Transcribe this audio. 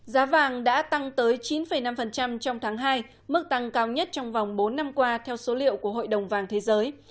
giá vàng đã tăng tới chín năm trong tháng hai mức tăng cao nhất trong vòng bốn năm qua theo số liệu của hội đồng vàng thế giới